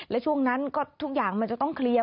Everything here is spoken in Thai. และช่วงนั้นก็ทุกอย่างมันจะต้องเคลียร์